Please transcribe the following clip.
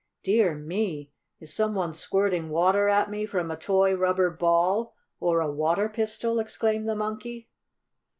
"Dear me! is some one squirting water at me from a toy rubber ball or a water pistol?" exclaimed the Monkey.